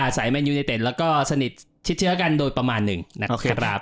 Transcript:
สายแนนยูเนเต็ดแล้วก็สนิทชิดเชื้อกันโดยประมาณหนึ่งนะครับ